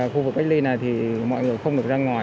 khu vực cách ly này thì mọi người không được ra ngoài